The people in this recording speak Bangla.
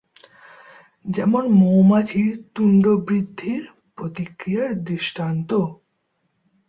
যেমন মৌমাছির তুণ্ড বৃদ্ধির প্রতিক্রিয়ার দৃষ্টান্ত।